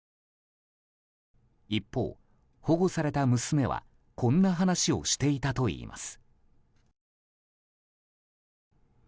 一方、保護された娘はこんな話をしていたといいます。